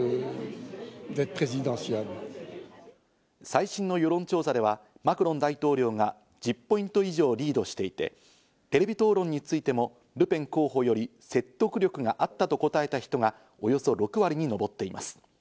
最新の世論調査ではマクロン大統領が１０ポイント以上リードしていて、テレビ討論についてもルペン候補より説得力があったと答えた人がおよそ６割に上っています。